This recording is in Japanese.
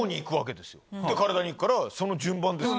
で体に行くからその順番ですよ。